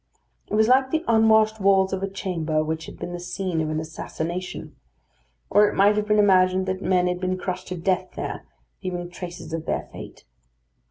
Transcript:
It was like the unwashed walls of a chamber which had been the scene of an assassination; or it might have been imagined that men had been crushed to death there, leaving traces of their fate.